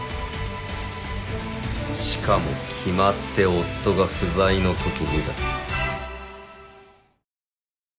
しかも決まって夫が不在の時にだ。